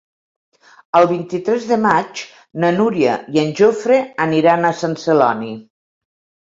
El vint-i-tres de maig na Núria i en Jofre aniran a Sant Celoni.